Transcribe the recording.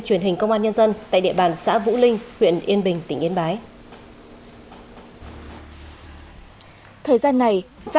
truyền hình công an nhân dân tại địa bàn xã vũ linh huyện yên bình tỉnh yên bái thời gian này gia